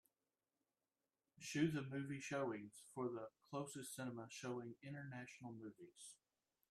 Shoe the movie showings for the closest cinema showing international movies